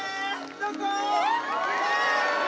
どこ？